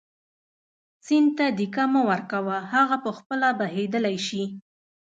سیند ته دیکه مه ورکوه هغه په خپله بهېدلی شي.